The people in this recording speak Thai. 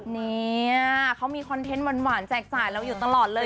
เนี่ยเขามีคอนเทนต์หวานแจกจ่ายเราอยู่ตลอดเลย